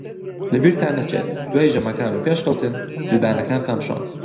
لەبیرتان نەچێت دوای ژەمەکان و پێش خەوتن ددانەکانتان بشۆن.